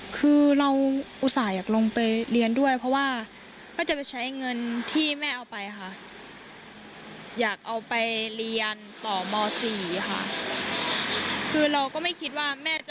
คือเราก็ไม่คิดว่าแม่จะไม่ให้เราลงไปค่ะ